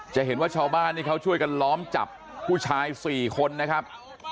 จะเห็นว่าชาวบ้านนี่เขาช่วยกันล้อมจับผู้ชาย๔คนนะครับ